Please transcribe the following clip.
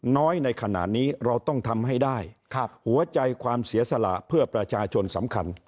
ในขณะนี้เราต้องทำให้ได้หัวใจความเสียสละเพื่อประชาชนสำคัญ